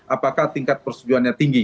apakah tingkat persetujuan yang tinggi